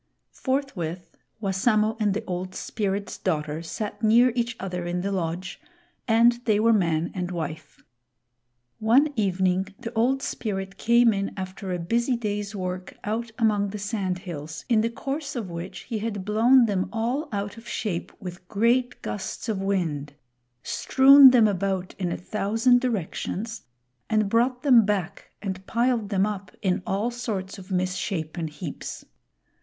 Forthwith Wassamo and the Old Spirit's daughter sat near each other in the lodge, and they were man and wife. One evening the Old Spirit came in after a busy day's work ont among the sand hills, in the course of which he had blown them all ont of shape with great gusts of wind, strewn them about in a thousand directions and brought them back and piled them up in all sorts of misshapen heaps.